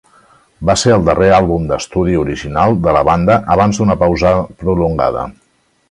Va ser el darrer àlbum d'estudi original de la banda abans d'una pausa prolongada.